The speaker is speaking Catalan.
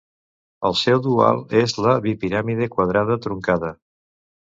El seu dual és la bipiràmide quadrada truncada.